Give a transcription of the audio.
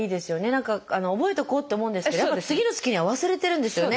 何か覚えとこうって思うんですけどやっぱり次の月には忘れてるんですよね